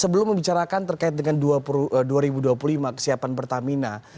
sebelum membicarakan terkait dengan dua ribu dua puluh lima kesiapan pertamina